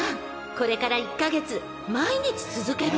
これから１カ月毎日続けるのよ］